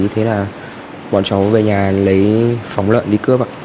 thế là bọn cháu về nhà lấy phóng lợn đi cướp